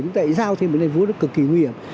chúng ta lại giao thêm một cái đành vuốt cực kỳ nguy hiểm